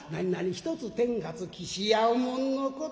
『ひとつてんがつきしやうもんのこと』。